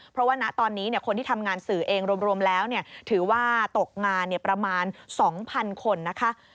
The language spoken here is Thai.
เพราะว่าณตอนนี้คนที่ทำงานสื่อเองรวมแล้วถือว่าตกงานประมาณ๒๐๐๐คนนะคะ